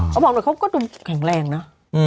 เขาบอกโดยเขาก็ดูแข็งแรงนะ